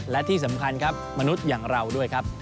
และที่สำคัญครับมนุษย์อย่างเราด้วยครับ